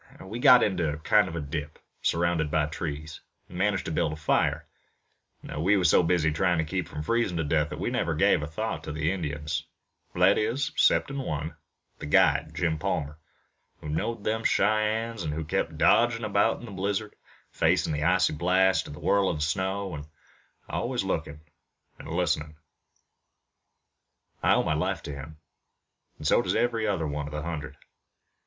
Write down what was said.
We got into a kind of dip, surrounded by trees, an' managed to build a fire. We was so busy tryin' to keep from freezin' to death that we never gave a thought to Indians, that is 'ceptin' one, the guide, Jim Palmer, who knowed them Cheyennes, an' who kept dodgin' about in the blizzard, facin' the icy blast an' the whirlin' snow, an' always lookin' an' listenin'. I owe my life to him, an' so does every other one of the hundred.